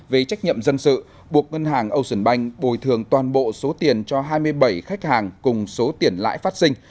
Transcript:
về trách nhiệm dân sự buộc ngân hàng ocean bank bồi thường toàn bộ số tiền cho hai mươi bảy khách hàng cùng số tiền lãi phát sinh